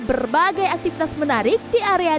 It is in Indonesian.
berbagai aktivitas menarik di area